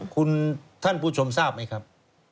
คุณท่านผู้ชมทราบไหมครับ